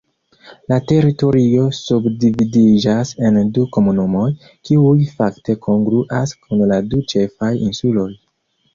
La teritorio subdividiĝas en du komunumoj, kiuj fakte kongruas kun la du ĉefaj insuloj.